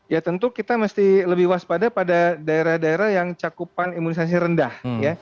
ya tentu kita mesti lebih waspada pada daerah daerah yang cakupan imunisasi rendah